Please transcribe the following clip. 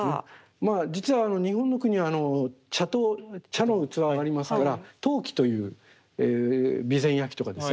まあ実は日本の国茶陶茶の器はありますから陶器という備前焼とかですね